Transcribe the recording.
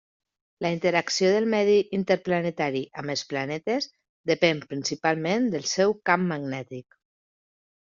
La interacció del medi interplanetari amb els planetes depèn principalment del seu camp magnètic.